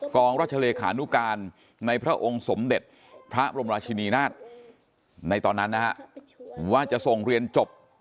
งรัชเลขานุการในพระองค์สมเด็จพระบรมราชินีนาฏในตอนนั้นนะฮะว่าจะส่งเรียนจบ